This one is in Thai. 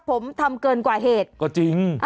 ผมทำเกินกว่าเหตุก็จริง